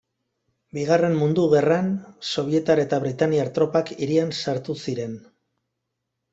Bigarren Mundu Gerran, sobietar eta britainiar tropak hirian sartu ziren.